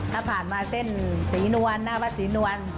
ถ้าผ่านมาเส้นศรีนวลหน้าวัดศรีนวล